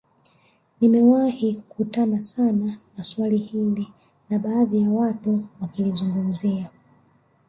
Nimewahi kukutana sana na swali hili na baadhi ya watu wakilizungumzia